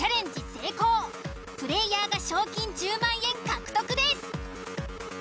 プレイヤーが賞金１０万円獲得です。